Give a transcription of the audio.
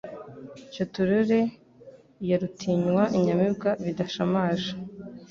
Cyo turore iya Rutinywa, Inyamibwa bidashamaje,